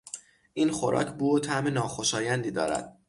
این خوراک بو و طعم ناخوشایندی دارد.